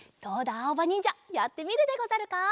あおばにんじゃやってみるでござるか？